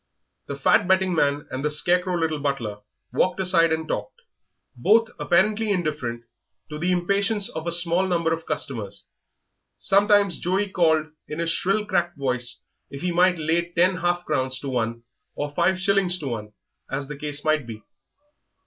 The fat betting man and the scarecrow little butler walked aside and talked, both apparently indifferent to the impatience of a number of small customers; sometimes Joey called in his shrill cracked voice if he might lay ten half crowns to one, or five shillings to one, as the case might be.